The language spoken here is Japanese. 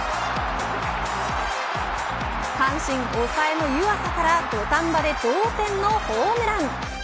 阪神抑えの湯浅から土壇場で同点のホームラン。